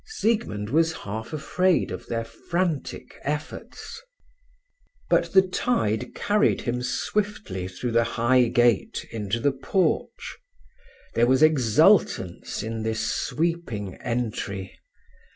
Siegmund was half afraid of their frantic efforts. But the tide carried him swiftly through the high gate into the porch. There was exultance in this sweeping entry.